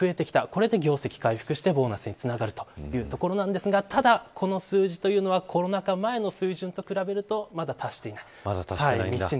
これで業績が回復してボーナスにつながるというところなんですがただ、この数字はコロナ禍前の水準と比べるとまだ達していない。